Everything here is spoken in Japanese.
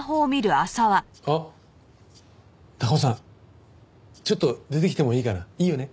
あっ高尾さんちょっと出てきてもいいかな？いいよね？